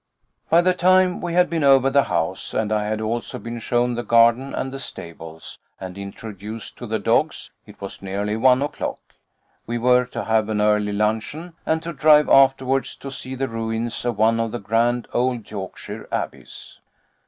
By the time we had been over the house, and I had also been shown the garden and the stables, and introduced to the dogs, it was nearly one o'clock. We were to have an early luncheon, and to drive afterwards to see the ruins of one of the grand old Yorkshire abbeys.